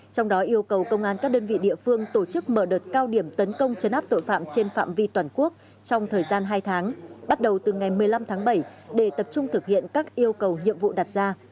trong đó yêu cầu công an các đơn vị địa phương tổ chức mở đợt cao điểm tấn công chấn áp tội phạm trên phạm vi toàn quốc trong thời gian hai tháng bắt đầu từ ngày một mươi năm tháng bảy để tập trung thực hiện các yêu cầu nhiệm vụ đặt ra